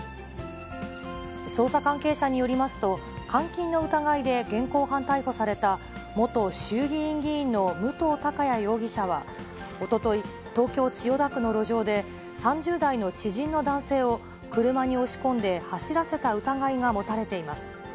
捜査関係者によりますと、監禁の疑いで現行犯逮捕された元衆議院議員の武藤貴也容疑者は、おととい、東京・千代田区の路上で、３０代の知人の男性を車に押し込んで走らせた疑いが持たれています。